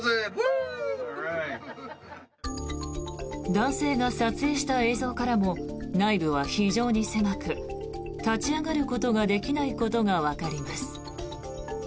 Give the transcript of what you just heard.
男性が撮影した映像からも内部は非常に狭く立ち上がることができないことがわかります。